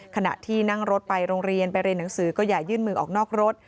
ขณะที่นั่งรถไปโรงเรียนไปเรียนหนังสือก็อย่ายื่นมือออกนอกรถ